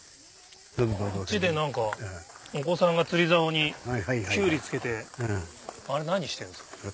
こっちで何かお子さんが釣りざおにキュウリつけてあれ何してるんですか？